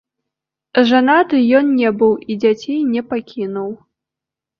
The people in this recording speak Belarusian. Жанаты ён не быў і дзяцей не пакінуў.